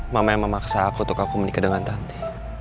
mama yang memaksaku untuk aku menikah dengan tanti